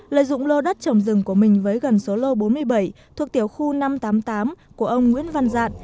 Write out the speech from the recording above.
lợi dụng lô đất trồng rừng của mình với gần số lô bốn mươi bảy thuộc tiểu khu năm trăm tám mươi tám của ông nguyễn văn dạn